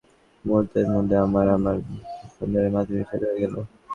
মুহুর্তের মধ্যে আমার, আমার স্বামীর ও সন্তানের মাঝে বিচ্ছেদ হয়ে গেল।